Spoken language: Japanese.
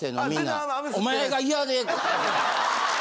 お前が嫌で。